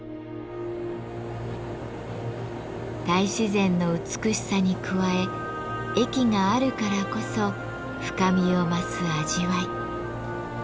大自然の美しさに加え駅があるからこそ深みを増す味わい。